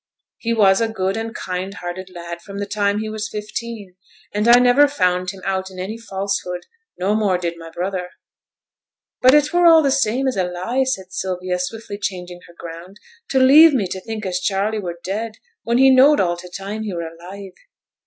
'He was a good and kind hearted lad from the time he was fifteen. And I never found him out in any falsehood, no more did my brother.' 'But it were all the same as a lie,' said Sylvia, swiftly changing her ground, 'to leave me to think as Charley were dead, when he knowed all t' time he were alive.'